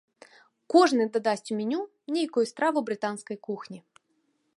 Кожны дадасць у меню нейкую страву брытанскай кухні.